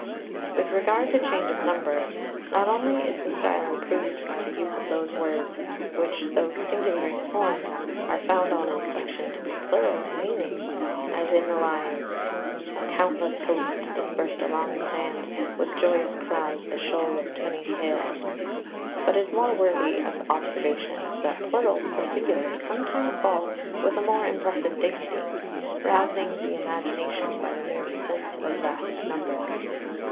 2 With regard to change of number: not only is the style improved by the use of those words which, though singular in form, are found on inspection to be plural in meaning, as in the lines "A countless host dispersed along the sand With joyous cries the shoal of tunny hailed," but it is more worthy of observation that plurals for singulars sometimes fall with a more impressive dignity, rousing the imagination by the mere sense of vast number.